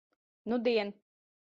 Nudien.